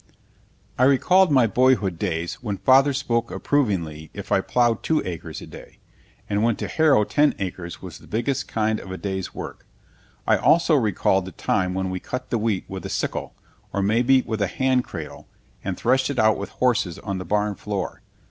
] I recalled my boyhood days when father spoke approvingly if I plowed two acres a day, and when to harrow ten acres was the biggest kind of a day's work. I also recalled the time when we cut the wheat with a sickle, or maybe with a hand cradle, and threshed it out with horses on the barn floor.